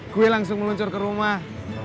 gue langsung meluncur ke rumah